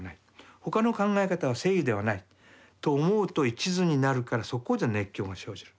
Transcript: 他の考え方は正義ではないと思うと一途になるからそこで熱狂が生じる。